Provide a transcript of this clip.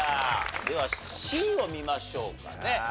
ではＣを見ましょうかね。